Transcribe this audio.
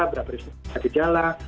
berapa hari sebelum tidak gejala